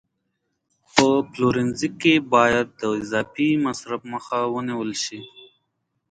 په پلورنځي کې باید د اضافي مصرف مخه ونیول شي.